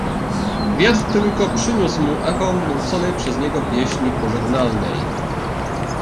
"Wiatr tylko przyniósł mu echo nuconej przez nią pieśni pożegnalnej."